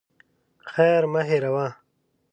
خير مه هېروه.